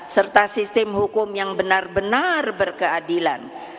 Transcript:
serta sistem hukum yang benar benar berkeadilan